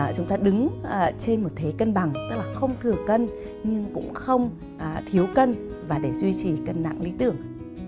chúng ta đứng trên một thế cân bằng tức là không thừa cân nhưng cũng không thiếu cân và để duy trì cân nặng lý tưởng